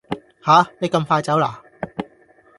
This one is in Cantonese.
吓你咁快走啦？